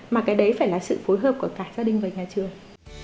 mà cái đấy phải là sự phối hợp của cả gia đình và nhà trường